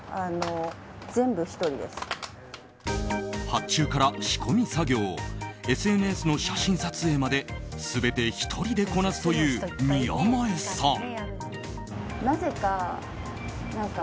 発注から仕込み作業ＳＮＳの写真撮影まで全て１人でこなすという宮前さん。